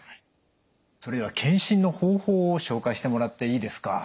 それでは検診の方法を紹介してもらっていいですか？